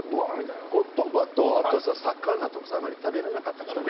言葉と、魚と、あまり食べられなかったからね。